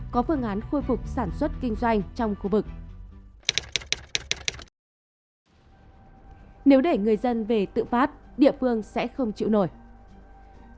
có phương án khôi phục sản xuất kinh doanh trong khu vực